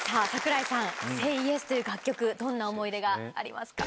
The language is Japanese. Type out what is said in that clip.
櫻井さん『ＳＡＹＹＥＳ』という楽曲どんな思い出がありますか？